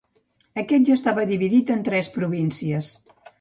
Aquest ja estava dividit en les tres províncies: